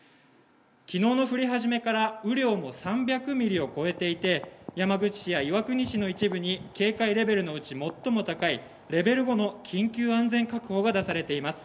昨日の降り始めから雨量も３００ミリを超えていて、山口市や岩国市の一部に警戒レベルのうち最も高いレベル５の緊急安全確保が出されています。